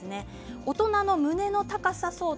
大人の胸の高さ想定